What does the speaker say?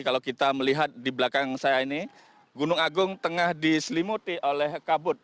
kalau kita melihat di belakang saya ini gunung agung tengah diselimuti oleh kabut